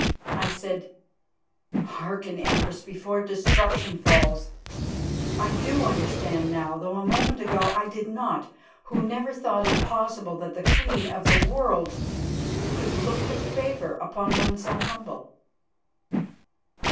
I said: "Hearken, Empress, before destruction falls. I do understand now, though a moment ago I did not, who never thought it possible that the queen of the world could look with favour upon one so humble."